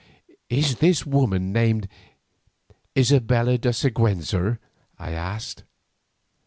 "Is this woman named Isabella de Siguenza?" I asked.